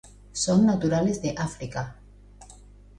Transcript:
Son naturales de África.